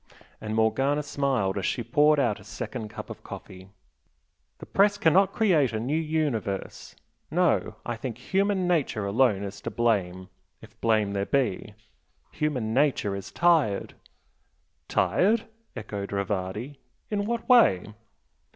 and Morgana smiled as she poured out a second cup of coffee "The Press cannot create a new universe. No I think human nature alone is to blame if blame there be. Human nature is tired." "Tired?" echoed Rivardi "In what way?"